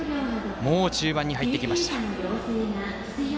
もう中盤に入ってきました。